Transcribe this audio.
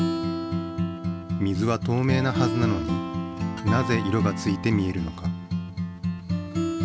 水はとうめいなはずなのになぜ色がついて見えるのか？